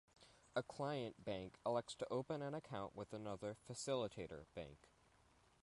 A "client" bank elects to open an account with another "facilitator" bank.